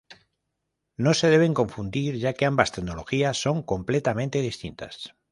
No se deben confundir ya que ambas tecnologías son completamente distintas.